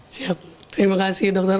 siap terima kasih dokter